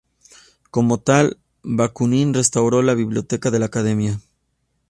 Como tal, Bakunin restauró la biblioteca de la Academia.